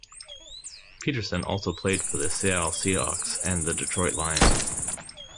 Peterson also played for the Seattle Seahawks and the Detroit Lions.